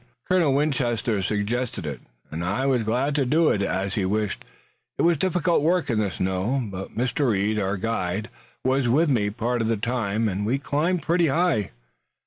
Colonel Winchester suggested it, and I was glad to do as he wished. It was difficult work in the snow, but Mr. Reed, our guide, was with me part of the time, and we climbed pretty high."